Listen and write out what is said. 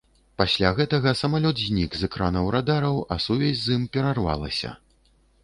Пасля гэтага самалёт знік з экранаў радараў, а сувязь з ім перарвалася.